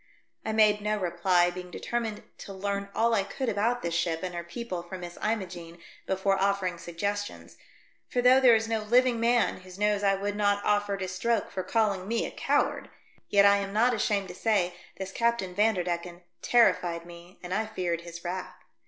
I made no reply, being determined to learn all I could about this ship and her people from Miss Imogene before offering sugges tions, for though there is no living man whose nose I would not offer to stroke for calling me a coward, yet I am not ashamed to say this Captain Vanderdecken terrified me and I feared his wrath.